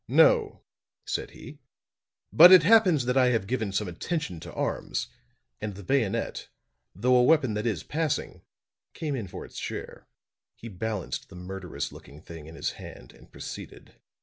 "No," said he. "But it happens that I have given some attention to arms, and the bayonet, though a weapon that is passing, came in for its share." He balanced the murderous looking thing in his hand and proceeded.